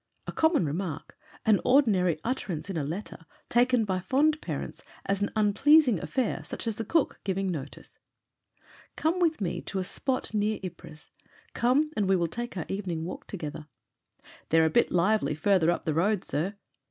" A common remark, an ordinary utterance in a letter, taken by fond parents as an unpleasing affair such as the cook giving notice. Come with me to a spot near Ypres ; come, and we will take our evening walk together. "They're a bit lively farther up the road, sir."